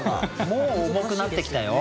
もう重くなってきたよ！